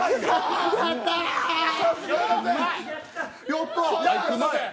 やったー！